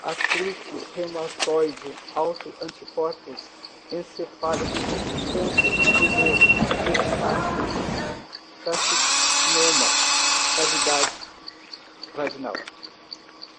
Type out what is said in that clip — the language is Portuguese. artrite reumatoide, auto-anticorpos, encefálico, câncer, tumor, metástases, carcinoma, cavidade, vaginal